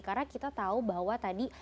karena kita tahu bahwa tadi